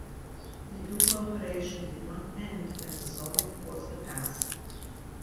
The Dukla operation did not end when the Soviets forced the pass.